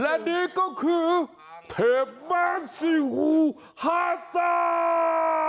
และนี่ก็คือเทพแมนซีฮูฮาซ่า